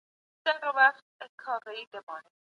که غواړئ ښه څېړونکی سئ نو د ژبپوهني اساسات هم زده کړئ.